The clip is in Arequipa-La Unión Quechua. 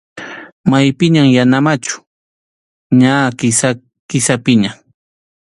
Maypiñam yana machu, ña Kisa-Kisapiña.